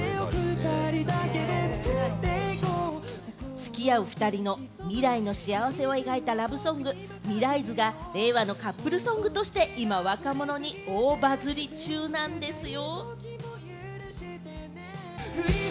付き合う２人の未来の幸せを描いたラブソング『未来図』が令和のカップルソングとして今、若者に大バズり中なんですよ。